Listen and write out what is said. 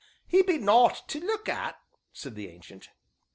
"'E be nowt to look at!" said the Ancient.